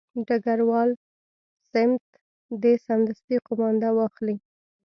ډګروال سمیت دې سمدستي قومانده واخلي.